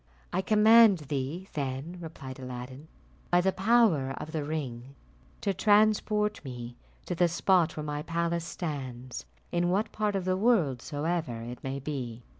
"I command thee, then," replied Aladdin, "by the power of the ring, to transport me to the spot where my palace stands, in what part of the world soever it may be."